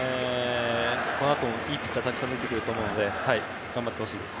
このあともいいピッチャーがたくさん出てくると思うので頑張ってほしいです。